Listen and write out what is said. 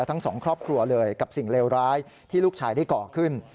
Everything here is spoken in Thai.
ทั้งสองครอบครัวเลยกับสิ่งเลวร้ายที่ลูกชายได้ก่อขึ้น